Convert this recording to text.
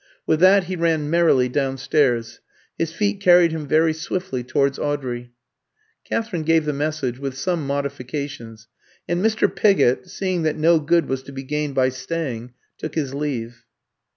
With that he ran merrily downstairs. His feet carried him very swiftly towards Audrey. Katherine gave the message, with some modifications; and Mr. Pigott, seeing that no good was to be gained by staying, took his leave.